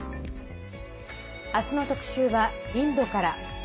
明日の特集はインドから。